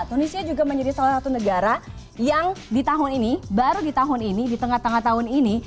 tunisia juga menjadi salah satu negara yang di tahun ini baru di tahun ini di tengah tengah tahun ini